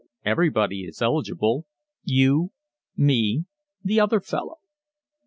Everybody is eligible you me the other fellow.